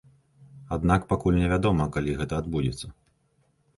Аднак пакуль невядома, калі гэта адбудзецца.